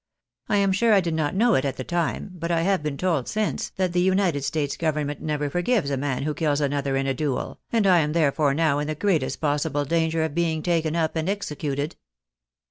I am sure I did not know it at the time, but I have been told since, that the United States government never forgives a man who kills another in a duel, and I am therefore now in the greatest possible danger of being taken up and executed."